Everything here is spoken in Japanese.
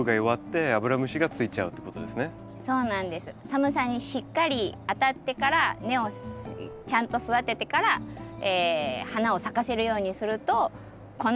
寒さにしっかりあたってから根をちゃんと育ててから花を咲かせるようにするとこんな感じ。